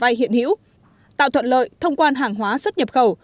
đối với các khoản vay hiện hữu tạo thuận lợi thông quan hàng hóa xuất nhập khẩu